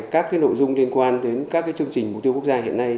các nội dung liên quan đến các chương trình mục tiêu quốc gia hiện nay